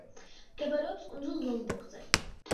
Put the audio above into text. მდებარეობს კუნძულ ლომბოკზე.